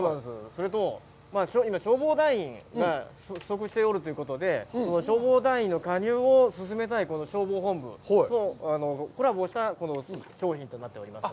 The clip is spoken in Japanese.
それと、今、消防隊員が不足しておるということで、消防隊員の加入を進めたい消防本部とコラボしたこの商品となっております。